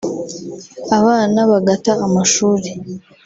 abana bagata amashuri